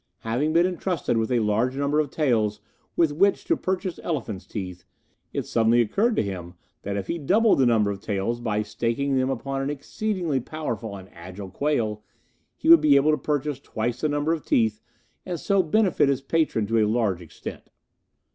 Having been entrusted with a large number of taels with which to purchase elephants' teeth, it suddenly occurred to him that if he doubled the number of taels by staking them upon an exceedingly powerful and agile quail, he would be able to purchase twice the number of teeth, and so benefit his patron to a large extent.